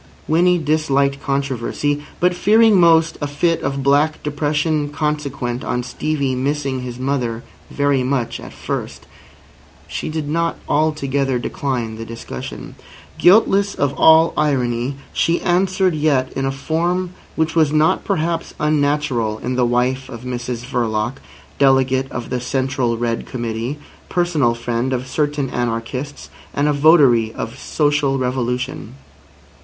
Winnie disliked controversy. But fearing most a fit of black depression consequent on Stevie missing his mother very much at first, she did not altogether decline the discussion. Guiltless of all irony, she answered yet in a form which was not perhaps unnatural in the wife of Mr Verloc, Delegate of the Central Red Committee, personal friend of certain anarchists, and a votary of social revolution.